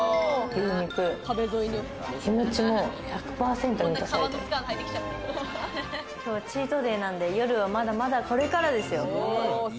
今日はチートデイなんで、夜はまだまだ、これからですよ。